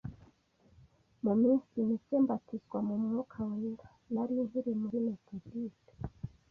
mu minsi mike mbatizwa mu Mwuka wera nari nkiri muri Methodiste,